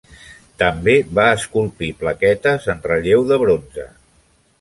També va esculpir plaquetes en relleu de bronze.